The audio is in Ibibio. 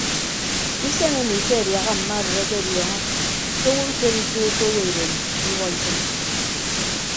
Usen emi ke adiaha mma arịd akediọọñọ ke owo mfen ituuko owo edem iwuọ isịn.